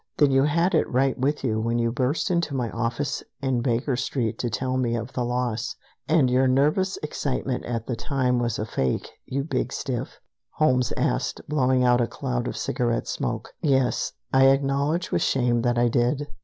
"Then you had it right with you when you burst into my office in Baker Street to tell me of the loss, and your nervous excitement at the time was a fake, you big stiff?" Holmes asked, blowing out a cloud of cigarette smoke. "Yes. I acknowledge with shame that I did.